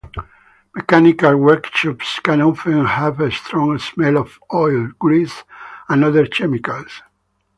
Mechanical workshops can often have a strong smell of oil, grease, and other chemicals.